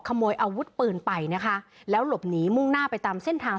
ขโมยอาวุธปืนไปนะคะแล้วหลบหนีมุ่งหน้าไปตามเส้นทาง